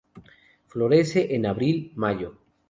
Florece en abril-mayo.